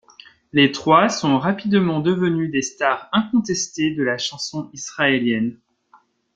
Les trois sont rapidement devenus des stars incontestées de la chanson israélienne.